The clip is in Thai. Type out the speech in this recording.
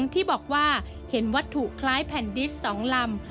ที่บอกว่าเห็นวัตถุคล้ายแผ่นดิส๒ลำ